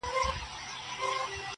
خو زه~